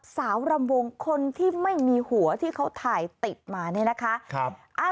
รำวงคนที่ไม่มีหัวที่เขาถ่ายติดมาเนี่ยนะคะ